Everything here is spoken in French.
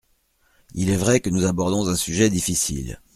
Il est vrai que nous abordons un sujet difficile.